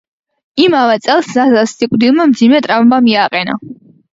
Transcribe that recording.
იმავე წელს ზაზას სიკვდილმა მძიმე ტრავმა მიაყენა.